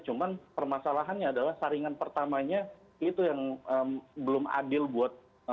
cuman permasalahannya adalah saringan pertamanya itu yang belum adil buat